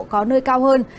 có nơi cao hơn